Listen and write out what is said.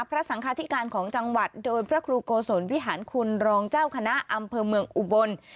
สังคาธิการของจังหวัดโดยพระครูโกศลวิหารคุณรองเจ้าคณะอำเภอเมืองอุบล